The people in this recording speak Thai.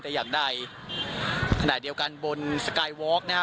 แต่อย่างใดขณะเดียวกันบนนะครับ